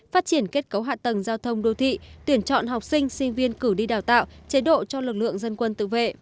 phát triển kết cấu hạ tầng giao thông đô thị tuyển chọn học sinh sinh viên cử đi đào tạo chế độ cho lực lượng dân quân tự vệ